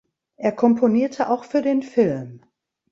Er komponierte auch für den Film.